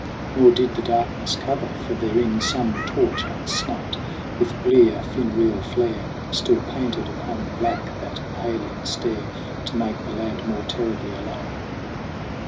Nor did the darkness cover, for therein Some torch, unsnuffed, with blear funereal flare, Still painted upon black that alien stare To make the lad more terribly alone.